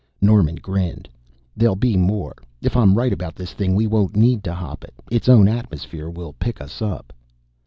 Norman grinned. "There'll be more. If I'm right about this thing we won't need to hop it its own atmosphere will pick us up."